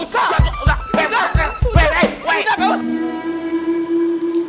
udah gak usah